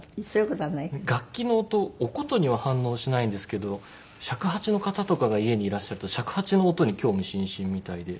楽器の音お箏には反応しないんですけど尺八の方とかが家にいらっしゃると尺八の音に興味津々みたいで。